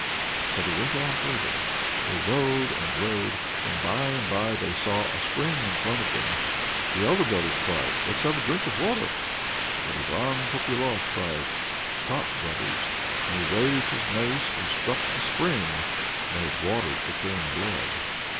So they went on further. They rode and rode, and by and by they saw a spring in front of them. And the elder brothers cried, "Let's have a drink of water." But Ivan Popyalof cried: "Stop, brothers!" and he raised his mace and struck the spring, and its waters became blood.